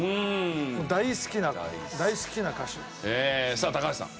さあ高橋さん。